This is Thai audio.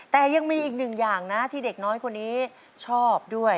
แต่ยังมีอีกหนึ่งอย่างนะที่เด็กน้อยคนนี้ชอบด้วย